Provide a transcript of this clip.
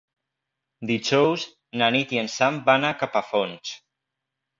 Dijous na Nit i en Sam van a Capafonts.